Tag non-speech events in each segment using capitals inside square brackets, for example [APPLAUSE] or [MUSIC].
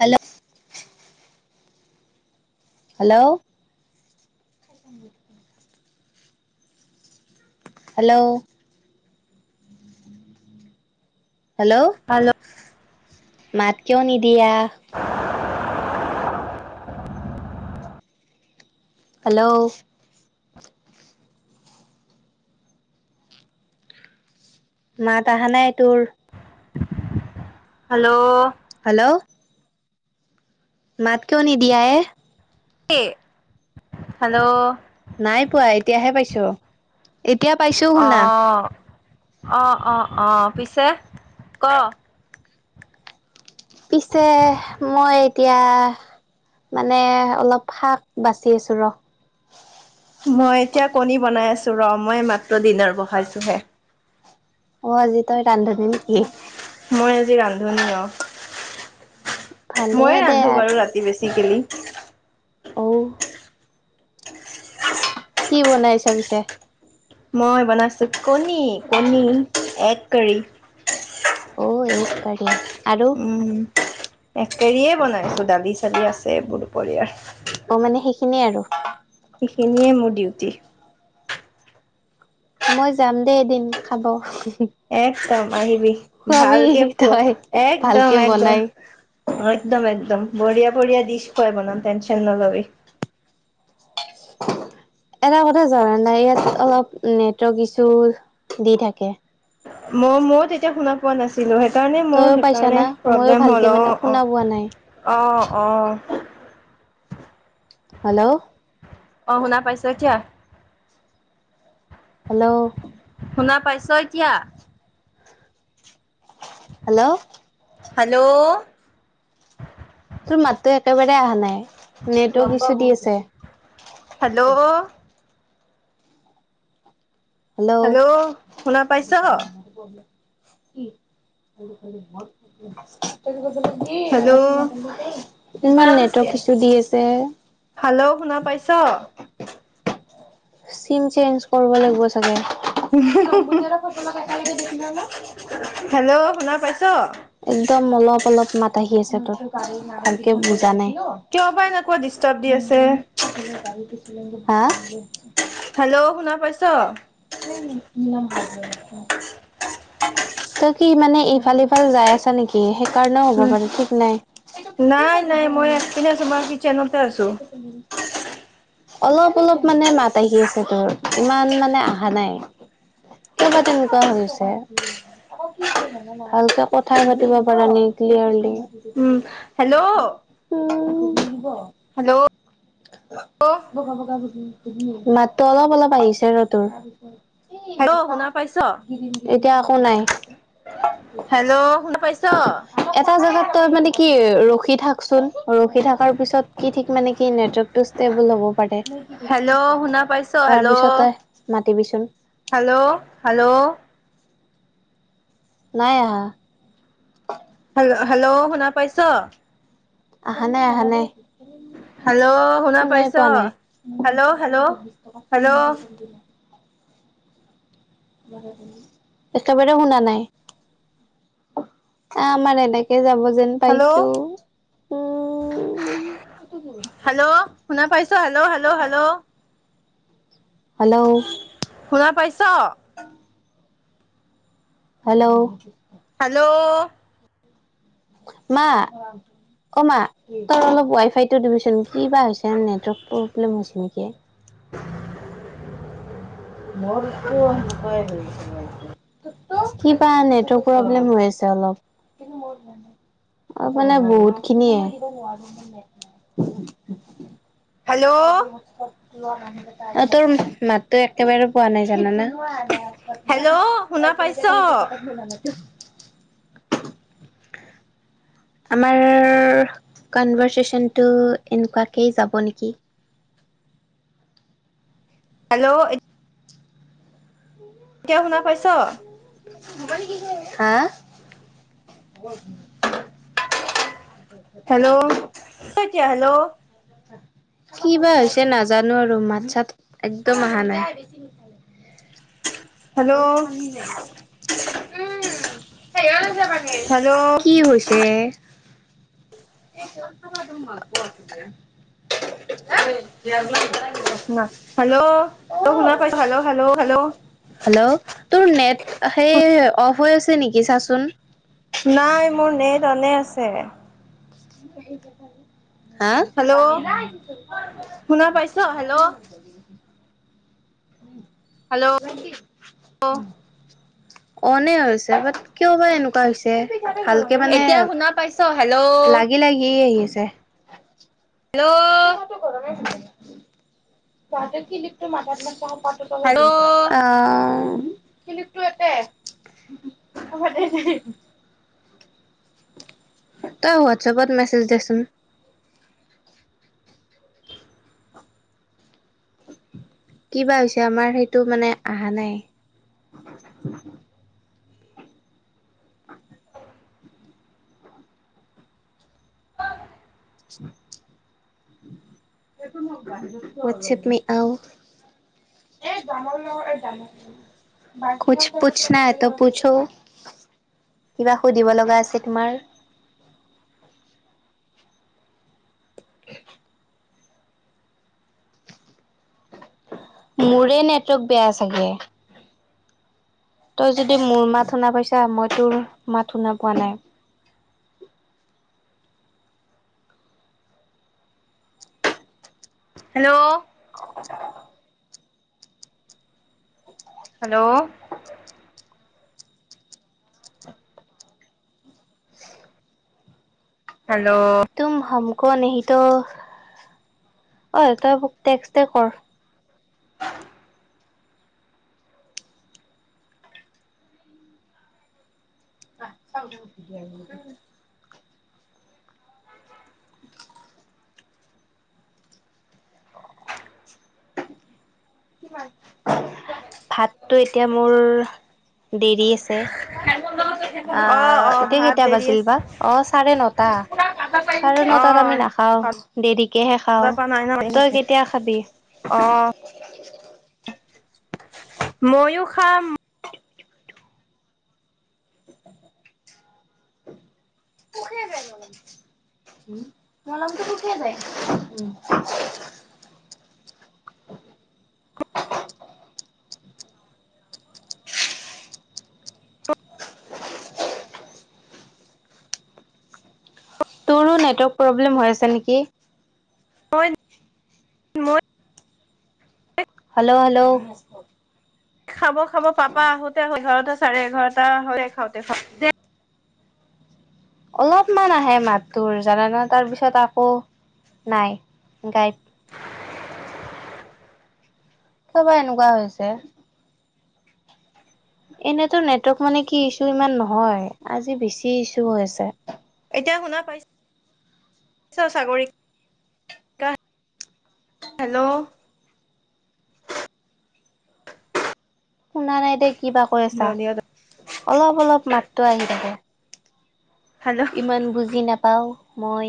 Hello? Hello. Hello. Hello? Hello মাত কিয় নিদ দিয়া হেল্ল' মাত আহা নাই তোৰ হেল্ল' হেল্ল' মাত কিয় নিদিয়া এ হেল্ল' নাই পোৱা এতিয়াহে পাইছো এতিয়া পাইছো অ শুনা অ অ অ পিছে ক পিছে মই এতিয়া মানে অলপ শাক বাচি আছোঁ ৰ মই এতিয়া কণী বনাই আছো ৰ মই মাত্ৰ দিনাৰ বহাইছো হে। অ আজি তাইত পানধবি নে নেকি? জি ৰান্ধনী অ। ভালে ময়ে দে ৰান্ধো বাৰু ৰাতি বেছিকেলি। [INAUDIBLE] অ কি বনাইছা পিছে? মই বনাইছোব কণী কণী এক কৰি অ এক কাৰি। আৰু এক্ কেেয়ে বনাইছো দালি চালি আছো স বলপয়াৰ অ মানে সেইখিনিয়ে আৰু সেইখিনিয়ে মোৰ ডিউটি মই যাম দেেই এদিন খাব একদম আহিবি খোৱাবি ভালকে তই একদম ভালকে একদম বনাই। একদম একদম বঢ়িয়া বঢ়িয়া দিশ মনাম েনশন ন লবি এটা কথা জৰা নাই ইয়াত অলপ নেটৱৰ্ ইছু দি থাকে মই মই তেতিয়া শুনা পোৱা নাছিলো সেইকাৰণে মোৰ তইও পাইছা সেইকাৰণে না মইও প্ৰব্লেম ভালকে হ'ল অ মানে অ শুনা পোৱা নাই। অ অ হেল্ল' অ শুনা পাইছা কিয় হেল্ল' শুনা পাইছ এতিয়া হেল্ল' হেল্ল' তোৰ মাতো একেবাৰে আহা নাই নেটৱৰ্ক ইছু দি আছে হেল্ল' হেল্ল' শুনা পাইছ কি হেল্ল' ইমান নেটৱৰ্ক ইছু দি আছে হেল্ল' শুনা পাইছ চিম চেঞ্জ কৰিব লাগিব চাগে। হেল্ল অাৰ পাই [UNINTELLIGIBLE] একদম অলপ অলপ মাত আহি আছে তোৰ ভালকে বুজ কিয় বা এনেকুৱা দিছে লুংগুৰ নি পচলে গা়ি দিছো [UNINTELLIGIBLE] হা হেল্ল' শুনা পাইছ স নলাম হাৰ্ডোৰ [UNINTELLIGIBLE] তই কি মানে ইফাল সিফাল যাই আছা নেকি সেইকাৰণেও হ'ব উ পাৰে ঠিক নাই। নাই নাই মই একপিনে তোমাৰ কিচেনতে আছো অলপ অলপ মানে মাত আহি আছে তোৰ ইমান মানে আহা নাই কিয় বা তেনেকুৱা হৈ আছে ভালকে কথাই পাতিব পাৰা নাই ক্লিয়াৰলি উম হেল্ল' উ হেল্ল' হেল্ল' [UNINTELLIGIBLE] মাতটো অলপ অলপ আহিছে ৰ তোৰ। হেল্ল' শুনা পাইছ? [UNINTELLIGIBLE] এতিয়া একো নাই হেল্ল' শুনা পাইছ? এটা জেগাত তই মানে কি ৰখি থাকচোন। ৰখি থকাৰ পিছত কি ঠিক মানে নেটৱৰ্কটো ষ্টেবল হব পাৰে হেল্ল' শুনা পাইছ? হেল্ল' তাৰপিছতে মাতিবিচোন। হেল্ল' হেল্ল' নাই আহা হেল্ল হেল্ল' শুনা পাইছ আহা নাই আহা হেল্ল' শুনা শুনাই পাইছ পোৱা নাই হেল্ল' হেল্ল' হেল্ল' একেবাৰে শুনা নাই আমাৰ এনেকে যাব যে হেল্ল' পাইছো হেল্ল' শুনা পাইছ? হেল্ল' হেল্ল' হেল্ল' হেল্ল' শুনা পাইছ অ [UNINTELLIGIBLE] হেল্ল'। হেল্ল'। মা অ মা তই অলপ ৱাই ফাই।। টো দিবিচোন। কি বা হৈছে নেটৱৰ্ক প্ৰব্লেম হৈছে নেকি। [INAUDIBLE] মোৰ টো এনেকুৱাই হৈ আছে প্ৰব্লেম কিবা নেটৱৰ্ক প্ৰব্লেম হৈ আছে। অলপ অ মানে বহুত খিনিয়ে।। [UNINTELLIGIBLE] হেল্ল' অ' তোৰ মাতটো একেবাৰে পোৱা নাই জানানে? হেল্ল' শুনা পাইছ? [UNINTELLIGIBLE] আমাৰ কনভাৰ্চেচনটো এনেকুৱাকেই যাব নেকি? হেল্ল'। এতিয়া শুনা পাইছ? হা। Hello hello. কি বা হৈছে নাজানো আৰু মাত চাত একদম অহা নাই। উ হেল্ল' হেল্ল' কি হৈছে। এই কাষৰ মানুহ হয় কোৱা? হেল্ল' শুনা পাইছা নে? হেল্ল' হেল্ল' হেল্ল' হেল্ল' তোৰ নেট সেই শু।। [UNINTELLIGIBLE] নেকি চাচোন। নাই মোৰ নেট অনে আছে। সেইয়া। [INAUDIBLE] হা।। [INAUDIBLE] [UNINTELLIGIBLE] হেল্ল' শুনা পাইছ হেল্ল' হেল্ল' অনে হৈছে বাট কিয় বা এনেকুৱা হৈছে। ভালকে মানে এতিয়া শুনা পাইছ? হেল্ল' লাগি লাগি আহি।। হৈছে। হেল্ল পিঠাটো গৰমেই পায়। ততে কি লিপটো মাকাত ম প [INAUDIBLE] কাপোৰ -চাপোৰ হেল্ল' ধুলি নাই? অ কিলিপটো একে হ'ব দে।। তই হোৱাটছেপত মেছেজ দেচোন। কিবা হৈছে আমাৰ সেইটো মানে আহা নাই। আ [INAUDIBLE] কুছ বি আও পুছ পুছ নাই ত পুছো কিবা সুধিব লগা আছে তোমাৰ মোৰে নেটৱৰ্ক বেয়া চাগে তই যদি মোৰ মাত শুনা পাইছা মই তোৰ মাত শুনা পোৱা নাই হেল্ল' [INAUDIBLE] হেল্ল' হেল্ল' কোন সেইটো অ তই মোৰ টেক্সটো কৰ [INAUDIBLE] ভাতো এতিয়া মোৰ দেৰি আছে। হেল্ল' অ অ অহ এতিয়া ভাত কেইটা দেৰি বাজিল আছে বা অ চাৰে নটা অ চাৰে অ নটাত আমি নাখাও দেৰিকেহে কান্দা খাও। পা নাই ন তই কেতিয়া খাবি? অ মইও খাম। [UNINTELLIGIBLE] তোৰো নেটৱৰ্ক প্ৰব্লেম হৈ আছে নেকি? মই মই [UNINTELLIGIBLE] হেল্ল' হেল্ল'। খাব খাব পাপা আহোতে এঘাৰটা-চাৰে এঘাৰটা হয় খাওতে খাওতে অলপমান আহে মাতটোৰ জানানে তাৰপিছত আকৌ নাই গায়াপ। কিয় বা এনেকুৱা হৈছে। এনেটো নেটৱৰ্ক মানে কি, ইছু ইমান নহয় আজি বেছিয়ে ইছু হৈ আছে। এতিয়া শুনা পাইছ--চাগৈ হেল্ল' শুনা নাই দেই। কিবা কৈ আছা ধনিয় অলপ অলপ মাত তেওঁ আহি থাকে। হেল্ল' ইমান বুজি নাপাও। মই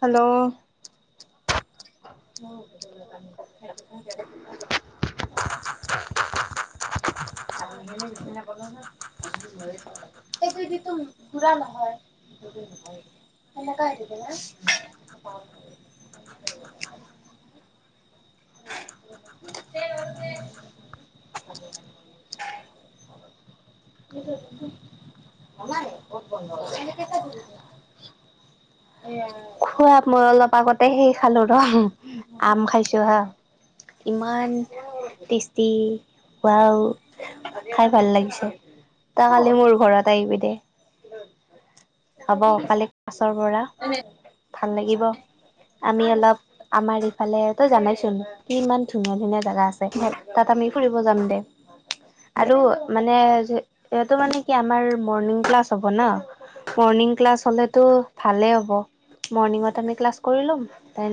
হেল্ল' [UNINTELLIGIBLE] সেইটো দিনটো ঘুৰা নহয়নোই ন [UNINTELLIGIBLE] দে হ'ল দে খোৱা মই অলপ আগতে সেই খালো ৰ আম খাইছো হা ইমান টেষ্টি হোৱাও খাই ভাল লাগিছে তই কালি মোৰ ঘৰত আহিবি দে হব কালি মাছৰ পৰা ভাল লাগিব আমি অলপ আমাৰ ইফালে তই জানৈইচোন ইমান ধুনীয়া ধুনীয়া জেগা আছে তাত আমি ফুৰিব যাম দে আৰু মানে এইতো মানে কি আমাৰ মৰ্ণিং ক্লাছ হ'ব ন মৰ্ণিং ক্লাছ হ'লেতো ভালেই হ'ব মৰ্ণিঙত আমি ক্লাছ কৰি লোদেন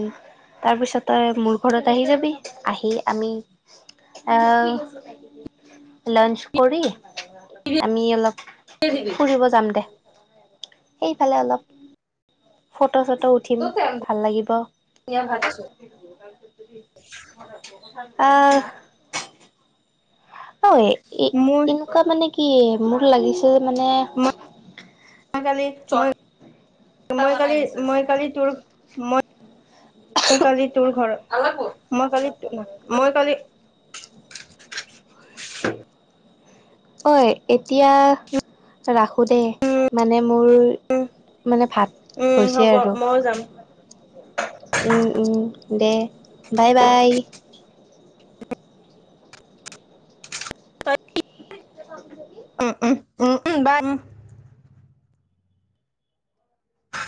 তাৰপিছতে মোৰ ঘৰত তই আহি যাবি আহি আমি অ লাঞ্চ কৰি আমি অলপ ফুৰিব যাম দে সেইফালে অলপ কত ফটো চটো উঠিম ভাল লাগিব। [INAUDIBLE] আ হয় এ মোৰ এনেকুৱা মানে কি মোৰ লাগিছে মানে মই কালি জয় তামালে কালি মই কালি তোৰ মই মই কালি তোৰ ঘৰ ভালা কোত মই কালি মই কালি [INAUDIBLE] ঐ এতিয়া ৰা হো দে মানে মোৰ মানে ভাত উম হৈছে হ'ব আৰু। মইও যাম উ উম দে বাই বাই। তই [UNINTELLIGIBLE] উ উম বাই